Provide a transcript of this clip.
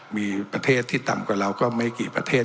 มีประเทศที่ต่ำกว่าเราก็ไม่กี่ประเทศ